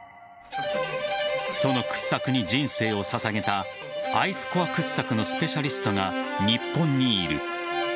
その掘削に人生を捧げたアイスコア掘削のスペシャリストが日本にいる。